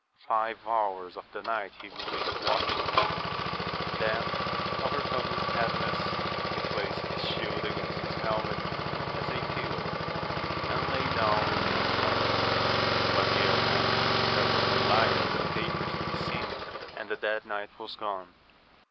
Five hours of the night he remained watching; then, overcome with heaviness, he placed his shield against his helmet as a {pillow, and lay down and slept. When he awoke there was no light of the tapers to be seen, and the dead knight was gone.